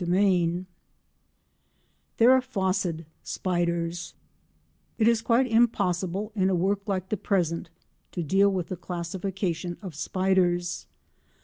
CHAPTER XI THERAPHOSID SPIDERS It is quite impossible in a work like the present to deal with the classification of spiders.